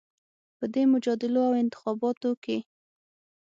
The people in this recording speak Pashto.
په دې مجادلو او انتخابونو کې